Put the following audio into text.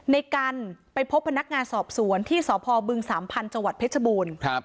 ในการไปพบพนักงานสอบสวนที่สพบึง๓พันธุ์จเพชรบูรณ์